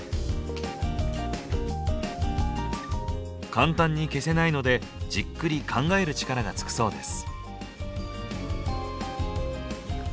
簡単に消せないのでじっくり考える力がつくそうです。